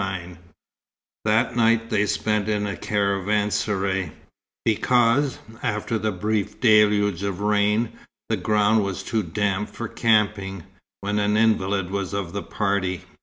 XXIX That night they spent in a caravanserai, because, after the brief deluge of rain, the ground was too damp for camping, when an invalid was of the party.